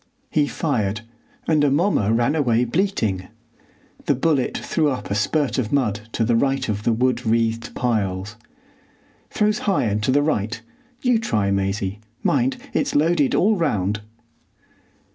He fired, and Amomma ran away bleating. The bullet threw up a spurt of mud to the right of the wood wreathed piles. "Throws high and to the right. You try, Maisie. Mind, it's loaded all round."